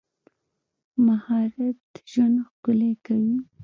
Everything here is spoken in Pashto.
مهارت ژوند ښکلی کوي.